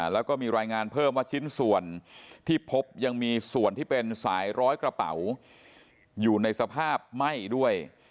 แล้วก็มีรายงานเพิ่มว่าชิ้นส่วนที่พบยังมีส่วนที่เป็นสายร้อยกระเป๋าอยู่ในสภาพไหม้ด้วย